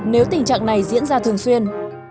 nếu tình trạng này diễn ra thường xuyên